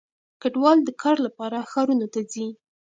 کډوال د کار لپاره ښارونو ته ځي.